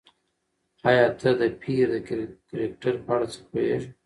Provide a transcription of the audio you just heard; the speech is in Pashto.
ایا ته د پییر د کرکټر په اړه څه پوهېږې؟